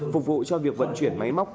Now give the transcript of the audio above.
phục vụ cho việc vận chuyển máy móc